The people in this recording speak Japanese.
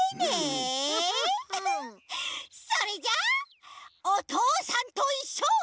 それじゃあ「おとうさんといっしょ」。